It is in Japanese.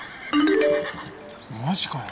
マジかよ。